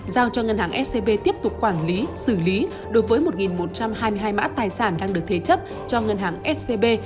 giao cho ngân hàng scb tiếp tục quản lý xử lý đối với một một trăm hai mươi hai mã tài sản đang được thế chấp cho ngân hàng scb